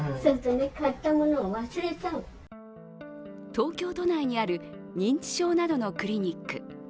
東京都内にある認知症などのクリニック。